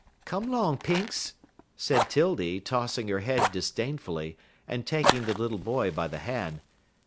"Come 'long, Pinx," said 'Tildy, tossing her head disdainfully, and taking the little boy by the hand.